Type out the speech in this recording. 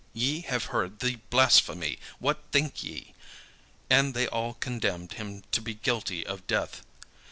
Ye have heard the blasphemy: what think ye?" And they all condemned him to be guilty of death.